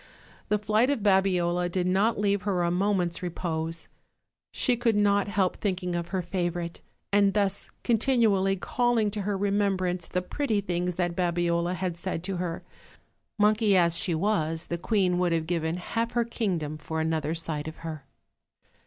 The flight of Babiola did not leave her a moment's repose: she could not help thinking of her favorite, and thus continually calling to her remem brance the pretty things that Babiola had said to her; monkey as she was, the queen would have given half her kingdom for another sight of her.